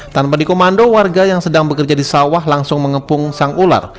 tanpa dikomando warga yang sedang bekerja di sawah langsung mengepung sang ular